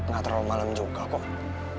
gak terlalu malam juga kok